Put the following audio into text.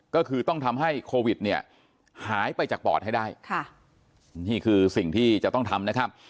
ก็คือต้องทำให้โควิดเนี่ยหายไปจากปอดให้ได้ค่ะนี่คือสิ่งที่จะต้องทำนะครับ